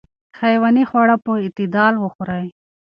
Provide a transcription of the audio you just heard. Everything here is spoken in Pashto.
حیواني خواړه په اعتدال وخورئ.